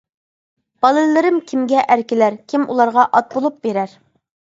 بالىلىرىم كىمگە ئەركىلەر، كىم ئۇلارغا ئات بولۇپ بېرەر.